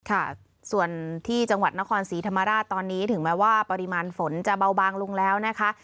ค่ะส่วนที่จังหวัดนครศรีธรรมราชตอนนี้ถึงแม้ว่าปริมาณฝนจะเบาบางลงแล้วนะคะ